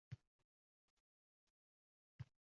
Valdirayveradi.